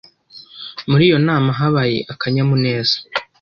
Muri iyo nama habaye akanyamuneza.